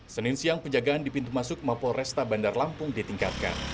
senin siang penjagaan di pintu masuk mapol resta bandar lampung ditingkatkan